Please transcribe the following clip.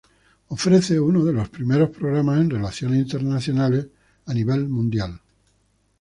Ofrece uno de los primeros programas en Relaciones Internacionales a nivel mundial.